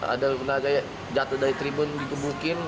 ada kena jatuh dari tribun dikebukin